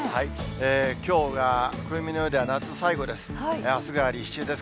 きょうが暦の上では夏最後です。